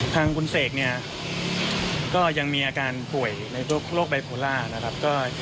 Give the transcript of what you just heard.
ทางคุณเสกเนี่ยก็ยังมีอาการป่วยในโรคไบโพล่านะครับ